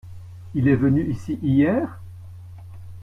Il est venu ici hier ?